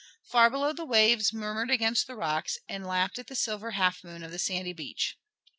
Far below the waves murmured against the rocks and lapped at the silver half moon of the sandy beach.